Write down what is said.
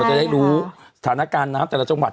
เราจะได้รู้ฐานะการณ์นะครับแต่ละจังหวัด